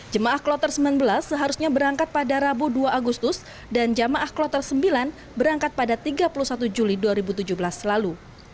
jemaah kloter sembilan belas seharusnya berangkat pada rabu dua agustus dan jamaah kloter sembilan berangkat pada tiga puluh satu juli dua ribu tujuh belas lalu